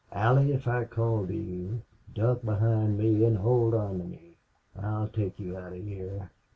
"Allie if I call to you, duck behind me an' hold on to me. I'll take you out of heah."